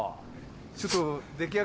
ちょっと。